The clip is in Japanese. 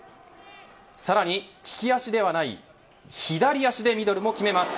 さらに利き足ではない左足でミドルも決めます。